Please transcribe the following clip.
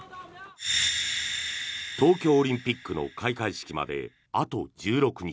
東京オリンピックの開会式まであと１６日。